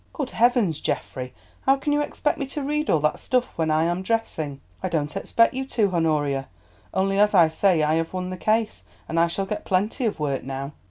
"Good heavens, Geoffrey! How can you expect me to read all that stuff when I am dressing?" "I don't expect you to, Honoria; only, as I say, I have won the case, and I shall get plenty of work now."